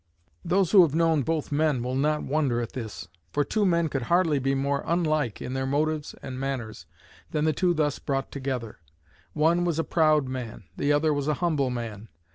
Those who have known both men will not wonder at this; for two men could hardly be more unlike in their motives and manners than the two thus brought together. One was a proud man; the other was a humble man.